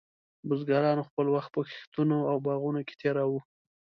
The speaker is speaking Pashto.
بزګرانو خپل وخت په کښتونو او باغونو کې تېراوه.